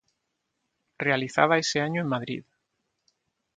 Realizada ese año en Madrid.